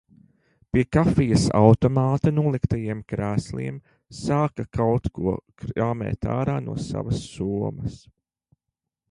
Pie kafijas automāta noliktajiem krēsliem sāk kaut ko krāmēt ārā no savas somas.